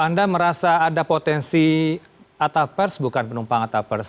anda merasa ada potensi atapers bukan penumpang atapers